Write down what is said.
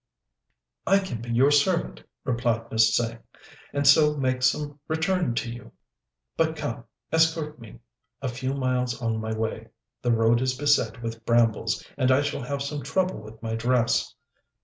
"I can be your servant," replied Miss Tsêng, "and so make some return to you. But come, escort me a few miles on my way; the road is beset with brambles, and I shall have some trouble with my dress."